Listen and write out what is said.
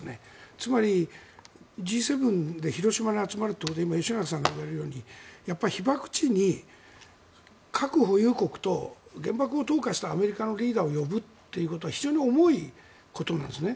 つまりＧ７で広島に集まるということは今、吉永さんが言われるようにやっぱり被爆地に核保有国と原爆を投下したアメリカのリーダーを呼ぶということは非常に重いことなんですね。